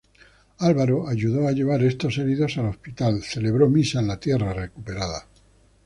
Álvaro ayudó a llevar estos heridos al hospital, celebró misa en la tierra recuperada.